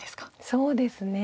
そうですね。